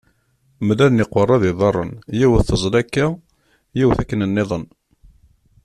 Mlalen yiqerra d yiḍarren yiwet teẓẓel aka, yiwet akken nniḍen.